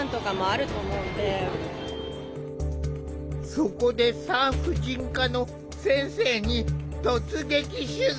そこで産婦人科の先生に突撃取材。